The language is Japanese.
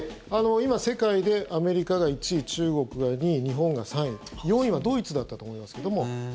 今、世界でアメリカが１位、中国が２位日本が３位４位はドイツだったと思いますけども。